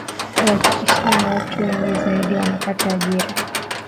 kuhakikisha watu wengi zaidi wanapata ajira